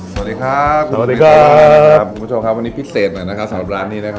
สวัสดีครับสวัสดีครับคุณผู้ชมครับวันนี้พิเศษหน่อยนะครับสำหรับร้านนี้นะครับ